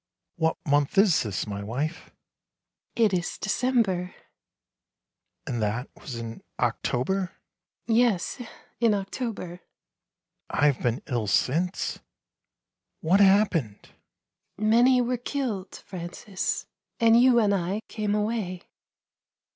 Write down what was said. " What month is this, my wife ?"" It is December." " And that was in October? "" Yes, in October." "I have been ill since? What happened?" " Many were killed, Francis, and you and I came away."